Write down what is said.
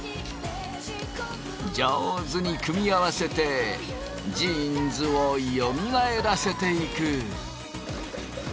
上手に組み合わせてジーンズをよみがえらせていく。